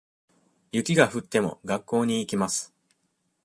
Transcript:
雪が降っても、学校に行きます。